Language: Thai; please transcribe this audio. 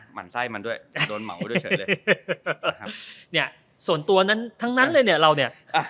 หั่นไส้มันด้วยโดนเหมาด้วยเฉยเลยนะครับเนี่ยส่วนตัวนั้นทั้งนั้นเลยเนี่ยเราเนี่ย